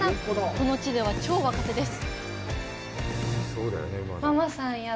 この地では超若手です。